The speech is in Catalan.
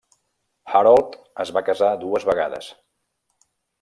Harold es va casar dues vegades.